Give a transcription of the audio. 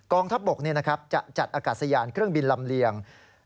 ทัพบกจะจัดอากาศยานเครื่องบินลำเลียง